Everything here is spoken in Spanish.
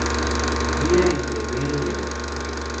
Cría entre enero y agosto.